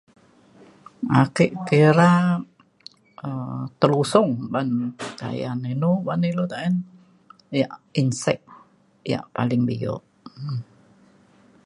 Ake kira um telusong ban kayan inu ban ilu ta’en yak insect yak paling bio.